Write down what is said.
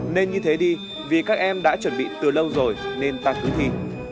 nên như thế đi vì các em đã chuẩn bị từ lâu rồi nên ta cứ thi